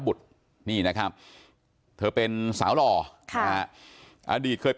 ลองฟังเสียงช่วงนี้ดูค่ะ